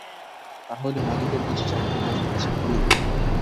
তা হলে মালীদের বুঝি জাগায় না ইচ্ছে করেই?